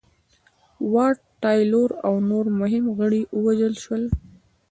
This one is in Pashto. واټ تایلور او نور مهم غړي ووژل شول.